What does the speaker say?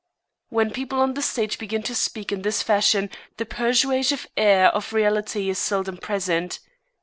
_ When people on the stage begin to speak in this fashion the persuasive air of reality is seldom present.